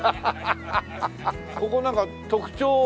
ここなんか特徴は。